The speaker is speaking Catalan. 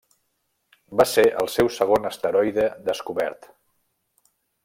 Va ser el seu segon asteroide descobert.